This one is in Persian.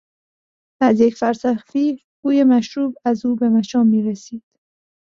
از یک فرسخی بوی مشروب از او به مشام میرسید.